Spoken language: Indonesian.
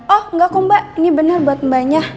oh enggak kok mbak ini benar buat mbaknya